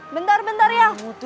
bentar bentar ya